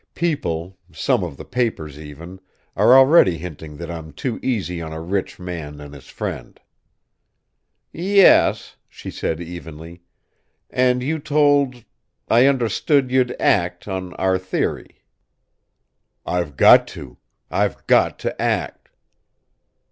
People, some of the papers even, are already hinting that I'm too easy on a rich man and his friend." "Yes," she said, evenly. "And you told I understood you'd act, on our theory." "I've got to! I've got to act!"